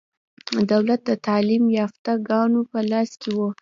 دولت د تعلیم یافته ګانو په لاس کې و.